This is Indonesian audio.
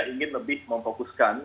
saya ingin lebih memfokuskan